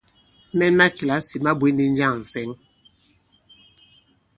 Mɛn ma kìlasì ma bwě ndi njâŋ ǹsɛŋ?